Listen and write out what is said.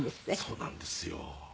そうなんですよ。